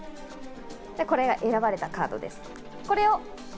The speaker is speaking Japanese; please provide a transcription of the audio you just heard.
ではこれが選ばれたカードです。